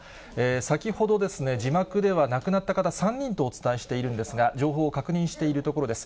先ほどですね、字幕では亡くなった方、３人とお伝えしているんですが、情報を確認しているところです。